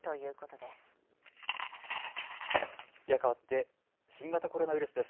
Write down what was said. ではかわって新型コロナウイルスです。